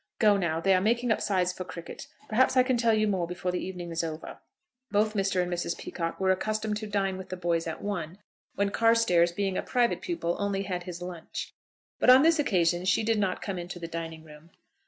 Go, now. They are making up sides for cricket. Perhaps I can tell you more before the evening is over." Both Mr. and Mrs. Peacocke were accustomed to dine with the boys at one, when Carstairs, being a private pupil, only had his lunch. But on this occasion she did not come into the dining room.